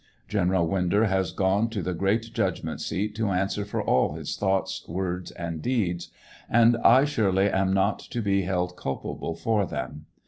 General Winder has gone to the great judgment seat to answer for all his thoughts, words, and deeds ; and I surely am not to be held culpable for them.